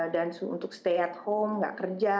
dan untuk stay at home gak kerja